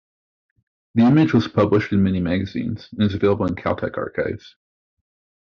The image was published in many magazines and is available on Caltech Archives.